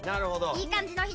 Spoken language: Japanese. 「いい感じの日」？